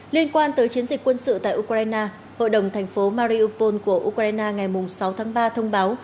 liên quan tới chiến dịch quân sự tại ukraine hội đồng thành phố mariopol của ukraine ngày sáu tháng ba thông báo